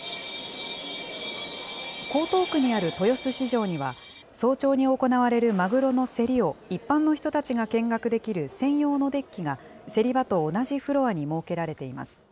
江東区にある豊洲市場には、早朝に行われるマグロの競りを一般の人たちが見学できる専用のデッキが、競り場と同じフロアに設けられています。